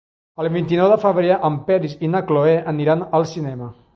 El vint-i-nou de febrer en Peris i na Cloè aniran al cinema.